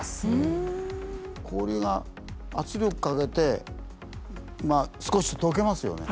氷が圧力かけて少し溶けますよね。